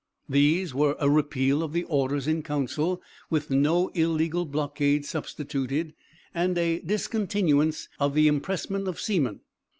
These were a repeal of the orders in council, with no illegal blockades substituted, and a discontinuance of the impressment of seamen.